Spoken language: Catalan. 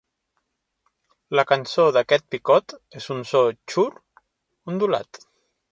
La cançó d'aquest picot és un so "xurr" ondulant.